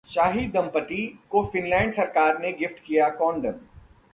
शाही दंपति को फिनलैंड सरकार ने गिफ्ट किया कॉन्डोम